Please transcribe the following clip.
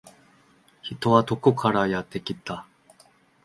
人はどこからかやってきた